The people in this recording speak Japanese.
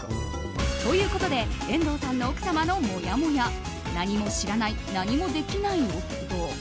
ということで遠藤さんの奥様の、もやもや何も知らない、何もできない夫。